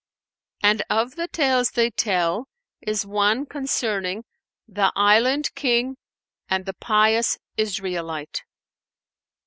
'" And of the tales they tell is one concerning THE ISLAND KING AND THE PIOUS ISRAELITE.